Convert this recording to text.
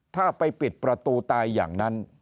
ถ้าไปปิดประตูตายอย่างนั้น